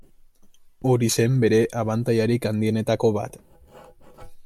Hori zen bere abantailarik handienetako bat.